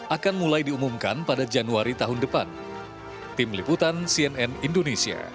akan mulai diumumkan pada januari tahun depan